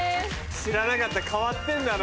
知らなかった変わってんだな。